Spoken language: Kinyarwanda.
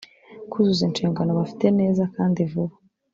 Kuzuza inshingano bafite neza kandi vuba